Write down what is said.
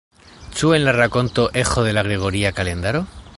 Ĉu en la rakonto eĥo de la gregoria kalendaro?